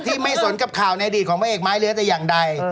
ที่ไม่สนกับข่าวในอดีตของเมื่อเอกไม้เลือดจะอย่างใด